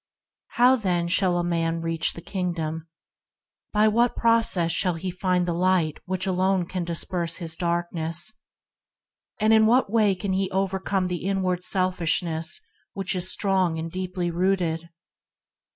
T TOW then shall a man reach the Kingdom ?~ By what process shall he find the light that alone can disperse his darkness ? In what way can he overcome the inward selfishness which is strong, and deeply rooted